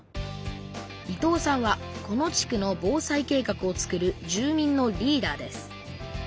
伊藤さんはこの地区の防災計画をつくる住民のリーダーです。